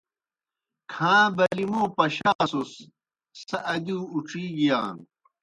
کھاں بلِی موْ پشاسُس سہ ادِیؤ اُڇِی گِیان۔